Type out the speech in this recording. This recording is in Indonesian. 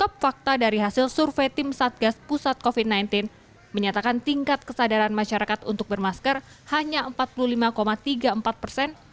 uv tim satgas pusat covid sembilan belas menyatakan tingkat kesadaran masyarakat untuk bermasker hanya empat puluh lima tiga puluh empat persen